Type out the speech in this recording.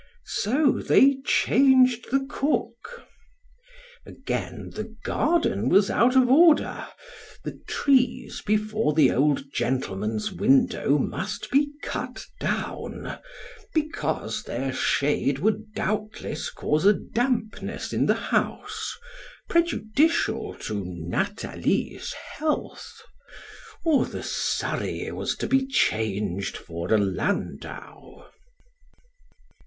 So they changed the cook. Again, the garden was out of order; the trees before the old gentleman's window must be cut down, because their shade would doubtless cause a dampness in the house prejudicial to Nathalie's health; or the surrey was to be changed for a landau.